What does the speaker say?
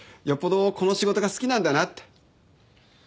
よっぽどこの仕事が好きなんだなって。